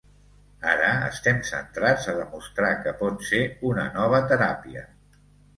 Ara estem centrats a demostrar que pot ser una nova teràpia.